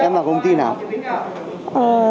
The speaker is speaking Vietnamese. em là công ty nào